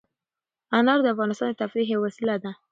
انار د افغانانو د تفریح یوه وسیله ده.